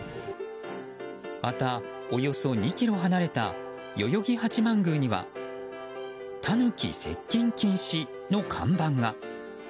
また、およそ２ｋｍ離れた代々木八幡宮にはタヌキ接近禁止の看板が。